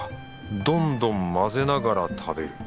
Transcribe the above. どんどん混ぜながら食べる。